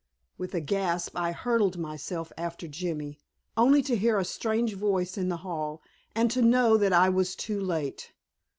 With a gasp I hurled myself after Jimmy, only to hear a strange voice in the hall and to know that I was too late.